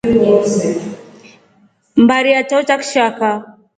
Mbari ya chao cha kshaka.